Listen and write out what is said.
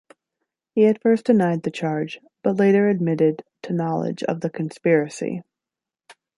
He at first denied the charge, but later admitted to knowledge of the conspiracy.